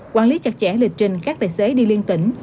giúp chặt chẽ lịch trình các tài xế đi liên tỉnh